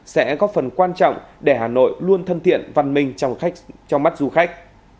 sẽ góp phần quan trọng để hà nội luôn thân thiện văn minh trong mắt du khách